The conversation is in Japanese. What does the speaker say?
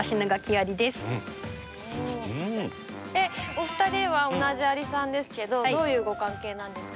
お二人は同じアリさんですけどどういうご関係なんですか？